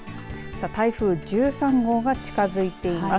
台風１３号が近づいています。